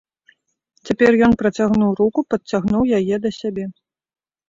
Цяпер ён працягнуў руку, падцягнуў яе да сябе.